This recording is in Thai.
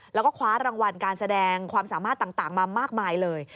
แล้วก็คว้ารางวัลการแสดงความสามารถต่างมามากมายเลย